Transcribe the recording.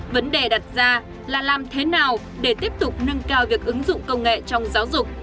vấn đề đặt ra là làm thế nào để tiếp tục nâng cao việc ứng dụng công nghệ trong giáo dục